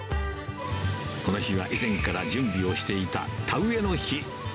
この日は以前から準備をしていた田植えの日。